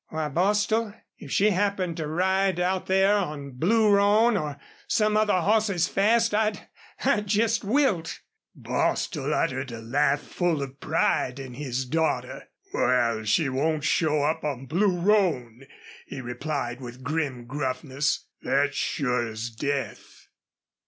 Why, Bostil, if she happened to ride out there on Blue Roan or some other hoss as fast I'd I'd jest wilt." Bostil uttered a laugh full of pride in his daughter. "Wal, she won't show up on Blue Roan," he replied, with grim gruffness. "Thet's sure as death....